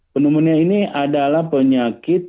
pneumonia ini adalah penyakit